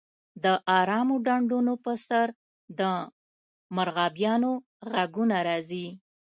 د ارامو ډنډونو په سر د مرغابیانو غږونه راځي